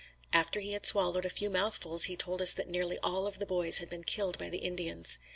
After he had swallowed a few mouthfuls, he told us that nearly all of the boys had been killed by the Indians.